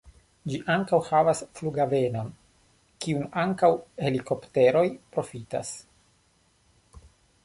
Ĝi ankaŭ havas flughavenon, kiun ankaŭ helikopteroj profitas.